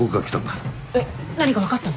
えっ何か分かったの？